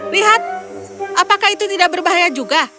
lihat apakah itu tidak berbahaya juga